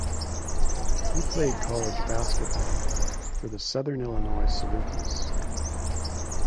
He played college basketball for the Southern Illinois Salukis.